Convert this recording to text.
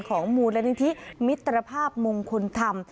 ของมูลนิธิมิตรภาพมงคลธรรม